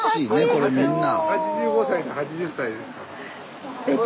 これみんな。